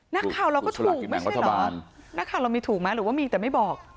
นักข่าวเราก็ถูกไม่ใช่เหรอนักข่าวเรามีถูกไหมหรือว่ามีแต่ไม่บอก